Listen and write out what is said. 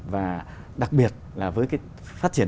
và đặc biệt là với cái phát triển